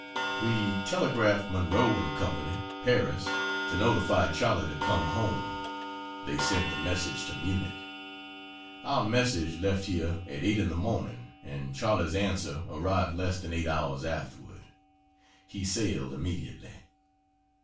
We telegraphed Munroe & Co. Paris, to notify Charley to come home they sent the message to Munich. Our message left here at 8 in the morning and Charley's answer arrived less than eight hours afterward. He sailed immediately.